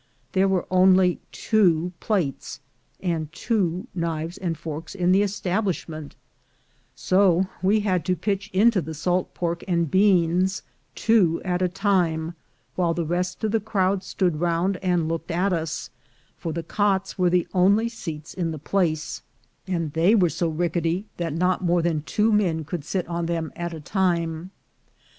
There were only two plates, and two knives and forks in the establishment, so we had to pitch into the salt pork and beans two at a time, while the rest of the crowd stood round and looked at us; for the cots were the only seats in the place, and they 36 THE GOLD HUNTERS were so rickety that not more than two men could sit on them at a time.